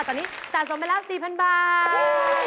ตอนนี้สะสมไปแล้ว๔๐๐๐บาท